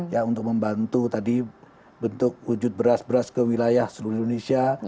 ya untuk membantu tadi bentuk wujud beras beras ke wilayah seluruh indonesia